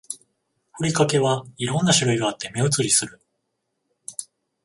ふりかけは色んな種類があって目移りする